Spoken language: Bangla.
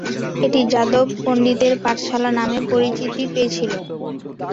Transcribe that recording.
এটি যাদব পণ্ডিতের পাঠশালা নামে পরিচিতি পেয়েছিল।